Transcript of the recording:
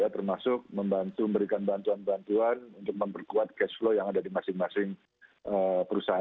termasuk memberikan bantuan bantuan untuk memperkuat cash flow yang ada di masing masing perusahaan